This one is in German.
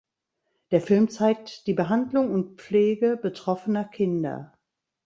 Der Film zeigt die Behandlung und Pflege betroffener Kinder.